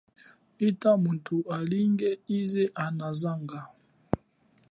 Hita muthu alinge ize anazanga.